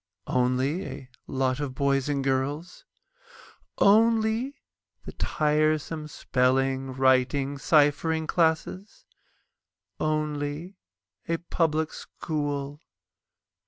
Only a lot of boys and girls? Only the tiresome spelling, writing, ciphering classes? Only a Public School?